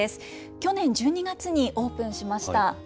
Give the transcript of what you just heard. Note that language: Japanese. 去年１２月にオープンしました。